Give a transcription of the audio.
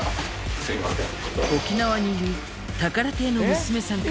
すいません。